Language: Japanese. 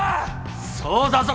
そうだぞ